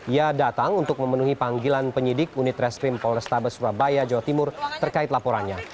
ia datang untuk memenuhi panggilan penyidik unit reskrim polrestabes surabaya jawa timur terkait laporannya